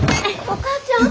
お母ちゃん！